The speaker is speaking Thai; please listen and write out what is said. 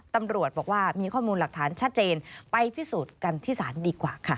ตำรวจบอกว่ามีข้อมูลหลักฐานชัดเจนไปพิสูจน์กันที่ศาลดีกว่าค่ะ